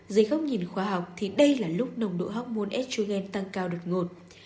dưới góc nhìn khoa học thì đây là lúc nồng độ hóc môn estrogen tăng cao đột ngột